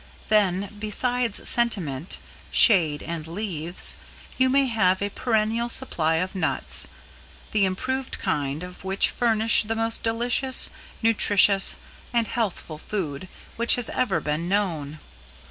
Then, besides sentiment, shade and leaves, you may have a perennial supply of nuts, the improved kind of which furnish the most delicious, nutritious and healthful food which has ever been known.